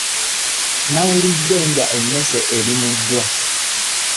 Nawuidde nga menyse nga numuddwa .